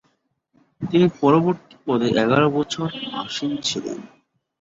তিনি পরবর্তী পদে এগারো বছর আসীন ছিলেন।